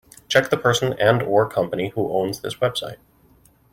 Check the person and/or company who owns this website.